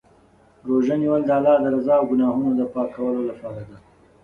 روژه نیول د الله د رضا او ګناهونو د پاکولو لپاره دی.